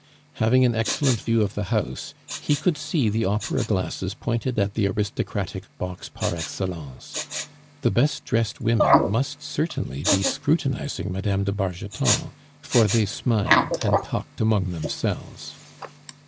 Having an excellent view of the house, he could see the opera glasses pointed at the aristocratic box par excellence. The best dressed women must certainly be scrutinizing Mme. de Bargeton, for they smiled and talked among themselves.